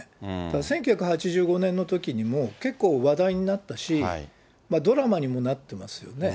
１９８５年のときにも結構話題になったし、ドラマにもなってますよね。